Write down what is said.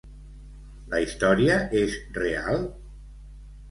La història és real?